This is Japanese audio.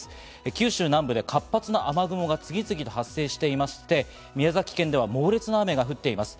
九州南部で活発な雨雲が発生していまして、宮崎では猛烈な雨が降っています。